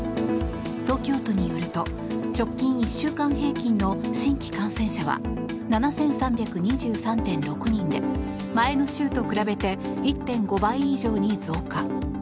東京都によると直近１週間平均の新規感染者は７３２３．６人で前の週と比べて１．５倍以上に増加。